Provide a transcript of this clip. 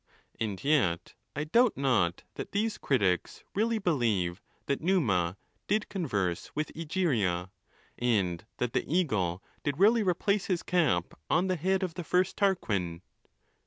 And yet, I doubt not that these critics really believe that Numa did converse with Egeria, and that the Eagle did really replace his cap on the head of the first Tarquin.